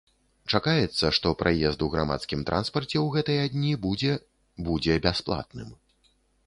Чакаецца, што праезд у грамадскім транспарце ў гэтыя дні будзе будзе бясплатным.